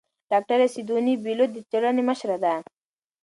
ډاکتره سیدوني بېلوت د څېړنې مشره ده.